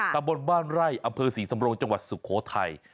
ตะบนบ้านไร่อำเภอศรีสำโรงจังหวัดสุโขทัย